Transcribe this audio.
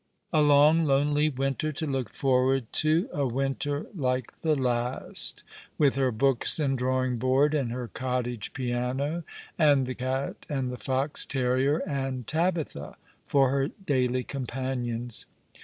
A long, lonely winter to look forward to — a winter like the last — with her books and drawing board, and her cottage piano, and the cat and the fox terrier, and Tabitha for her daily companions.